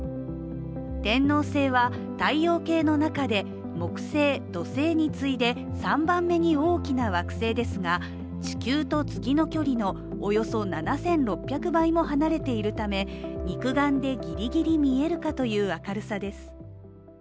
天王星は太陽系の中で木星、土星に次いで３番目に大きな惑星ですが、地球と月の距離のおよそ７６００倍も離れているため肉眼でギリギリ見えるかという明るさです。